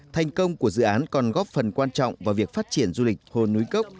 thành công của dự án còn góp phần quan trọng vào việc phát triển du lịch hồ núi cốc